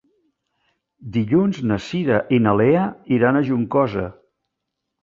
Dilluns na Cira i na Lea iran a Juncosa.